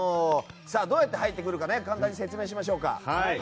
どうやって入ってくるか簡単に説明しましょうか。